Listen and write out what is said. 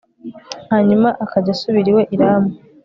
hanyuma akajya asubira iwe i rama